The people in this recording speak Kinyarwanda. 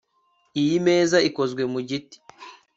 Iyi meza ikozwe mu giti